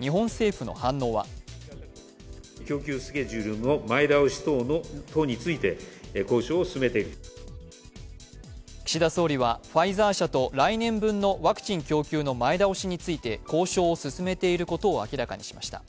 日本政府の反応は岸田総理はファイザー社と来年分のワクチン供給の前倒しについて交渉を進めていることを明らかにしました。